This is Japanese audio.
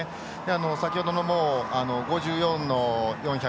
先ほどの５４の４００。